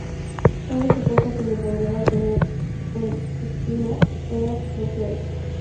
La única cosa que le podría detener en su sino era su propio ego.